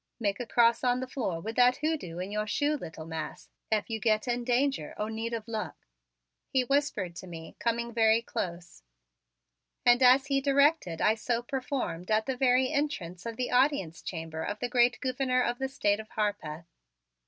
"Make a cross on the floor with that hoodoo in your shoe, little mas', ef you git in danger or need of luck," he whispered to me, coming very close. And as he directed I so performed at the very entrance of the audience chamber of the great Gouverneur of the State of Harpeth.